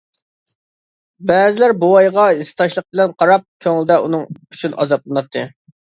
بەزىلەر بوۋايغا ھېسداشلىق بىلەن قاراپ، كۆڭلىدە ئۇنىڭ ئۈچۈن ئازابلىناتتى.